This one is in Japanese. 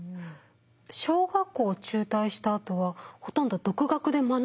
小学校を中退したあとはほとんど独学で学んでいたってことですよね？